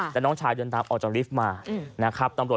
แต่น้องชายเดินตามออกจากฤทธิ์มา